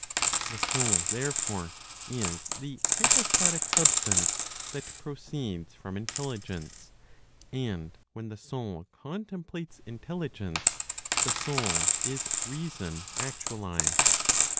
The Soul, therefore, is the hypostatic substance that proceeds from Intelligence, and when the Soul contemplates Intelligence the soul is reason actualized.